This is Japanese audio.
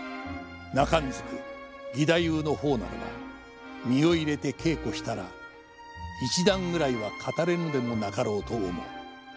就中義太夫の方ならば身を入れて稽古したら一段ぐらいは語れぬでも無かろうと思う。